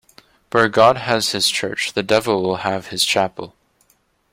Where God has his church, the devil will have his chapel.